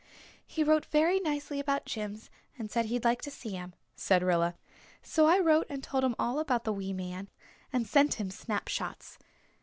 "He wrote very nicely about Jims and said he'd like to see him," said Rilla. "So I wrote and told him all about the wee man, and sent him snapshots.